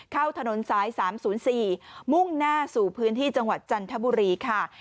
เข้าถนนซ้าย๓๐๔มุ่งหน้าสู่พื้นที่จังหวัดจันทบุรีค่ะ